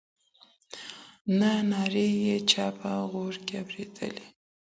نه نارې یې چا په غرو کي اورېدلې